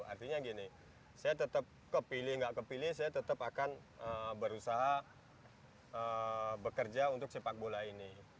artinya gini saya tetap kepilih nggak kepilih saya tetap akan berusaha bekerja untuk sepak bola ini